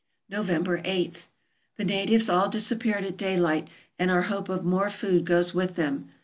November 8. — The natives all disappeared at daylight, and our hope of more food goes with them.